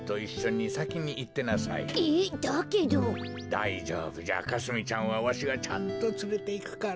だいじょうぶじゃかすみちゃんはわしがちゃんとつれていくから。